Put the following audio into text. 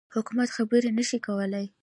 حکومت خبري نه شي کولای.